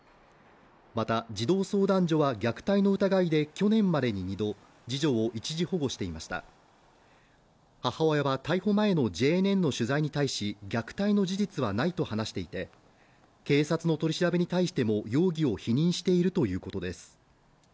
また児童相談所は虐待の疑いで去年までに２度次女を一時保護していました母親は逮捕前のＪＮＮの取材に対し虐待の事実はないと話していて警察の取り調べに対しても容疑を否認しているということです